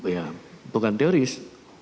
ya bukan teoris